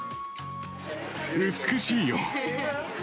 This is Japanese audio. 美しいよ。